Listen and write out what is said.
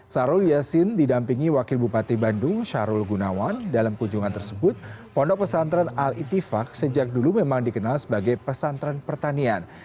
sarul yassin didampingi wakil bupati bandung syahrul gunawan dalam kunjungan tersebut pondok pesantren al itifak sejak dulu memang dikenal sebagai pesantren pertanian